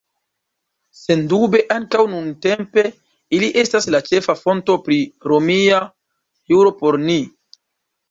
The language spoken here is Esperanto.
Sendube ankaŭ nuntempe ili estas la ĉefa fonto pri romia juro por ni.